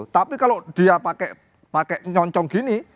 tapi kalau dia pakai nyoncong gini